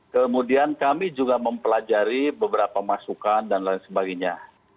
kemudian kami juga mempelajari beberapa masukan dan lain sebagainya